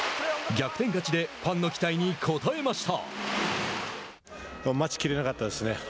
逆転勝ちでファンの期待に応えました。